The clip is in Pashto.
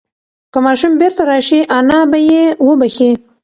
که ماشوم بیرته راشي انا به یې وبښي.